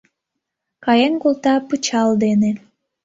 Каен колта пычал ден.